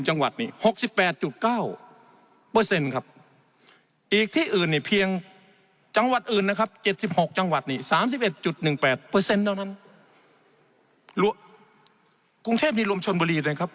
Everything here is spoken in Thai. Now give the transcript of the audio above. ๓๖จังหวัดเนี่ย๓๑๑๘เปอร์เซ็นต์เดี๋ยวนั้นกรุงเทพเนี่ยรวมชนบรีดนะครับ